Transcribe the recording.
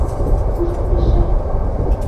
Кушко эше?